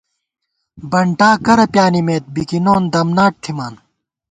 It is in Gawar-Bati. بنٹا کرہ پیانِمېت ، بِکِنون دمناٹ تھِمان